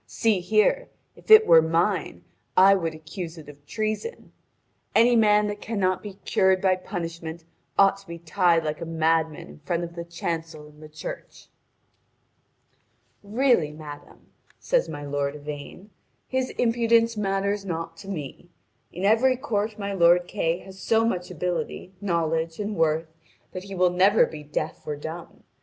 See here: if it were mine, I would accuse it of treason. Any man that cannot be cured by punishment ought to be tied like a madman in front of the chancel in the church." "Really, madame," says my lord Yvain, "his impudence matters not to me. In every court my lord Kay has so much ability, knowledge, and worth that he will never be deaf or dumb.